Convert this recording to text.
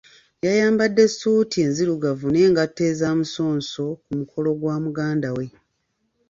Yayambadde ssuuti enzirugavu n'engatto ez'amusonso ku mukolo gwa muganda we.